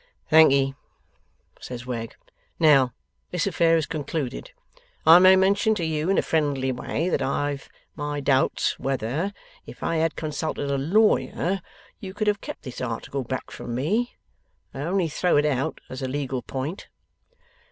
'Thankee,' says Wegg. 'Now this affair is concluded, I may mention to you in a friendly way that I've my doubts whether, if I had consulted a lawyer, you could have kept this article back from me. I only throw it out as a legal point.